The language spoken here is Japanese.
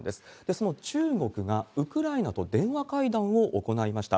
その中国がウクライナと電話会談を行いました。